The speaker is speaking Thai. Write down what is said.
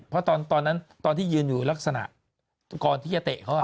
เพราะตอนนั้นตอนที่ยืนอยู่ลักษณะก่อนที่จะเตะเขา